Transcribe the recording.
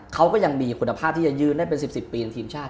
เขาก็ยังมีคุณภาพที่จะยืนได้เป็น๑๐ปีในทีมชาติ